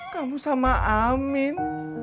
kamu sama amin